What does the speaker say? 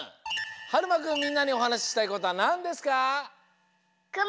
はるまくんみんなにおはなししたいことはなんですか？